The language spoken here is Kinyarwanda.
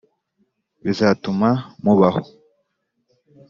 bizatuma mubaho.